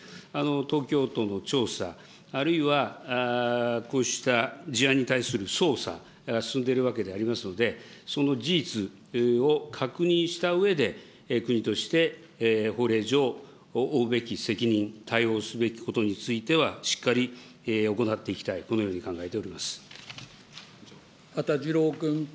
東京都の調査、あるいはこうした事案に対する捜査、進んでいるわけでありますので、その事実を確認したうえで、国として法令上、負うべき責任、対応すべきことについては、しっかり行っていきたい、このように羽田次郎君。